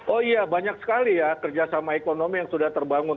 oh iya banyak sekali ya kerjasama ekonomi yang sudah terbangun